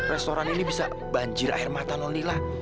restoran ini bisa banjir air mata non lila